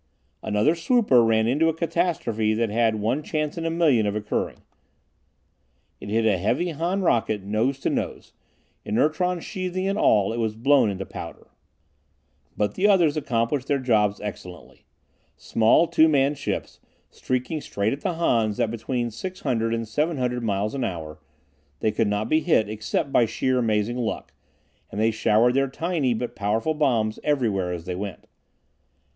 Another swooper ran into a catastrophe that had one chance in a million of occurring. It hit a heavy Han rocket nose to nose. Inertron sheathing and all, it was blown into powder. But the others accomplished their jobs excellently. Small, two man ships, streaking straight at the Hans at between 600 and 700 miles an hour, they could not be hit except by sheer amazing luck, and they showered their tiny but powerful bombs everywhere as they went.